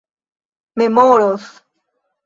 memoros